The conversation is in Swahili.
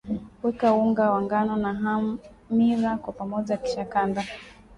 weka unga wa ngano na hamira kwa pamoja kisha kanda